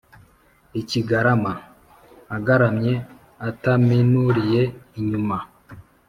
ikigarama: agaramye ataminuriye inyuma;